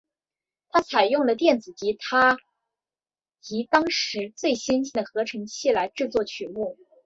它采用了电子吉他及当时最先进的合成器来制作曲目。